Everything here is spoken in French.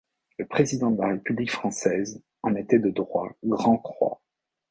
Le président de la République française en était de droit grand-croix.